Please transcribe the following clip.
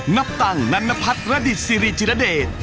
นับตังค์นันนพัฒน์ระดิตสิริจิรเดช